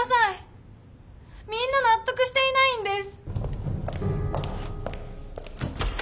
みんななっとくしていないんです！